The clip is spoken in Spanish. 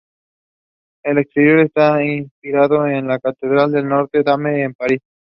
El exterior está inspirado en la Catedral de Notre Dame en París.